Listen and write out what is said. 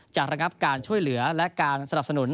ระงับการช่วยเหลือและการสนับสนุน